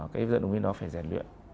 cái vận động viên đó phải rèn luyện